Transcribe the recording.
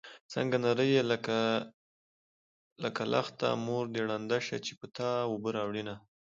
څنګه نرۍ يې لکه لښته مور دې ړنده شه چې په تا اوبه راوړينه